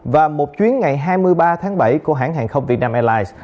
và một chuyến ngày hai mươi ba tháng bảy của hãng hàng không việt nam airlines